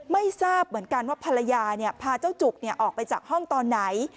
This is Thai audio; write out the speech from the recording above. ไม่ทราบเหมือนกันว่าภรรยาพาเจ้าจุกออกไปจากห้องตอนไหน